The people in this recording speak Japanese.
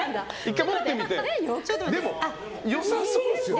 でも、良さそうですよね。